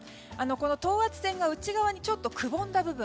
等圧線が内側にちょっとくぼんだ部分。